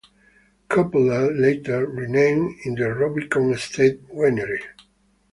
Coppola later renamed it the Rubicon Estate Winery.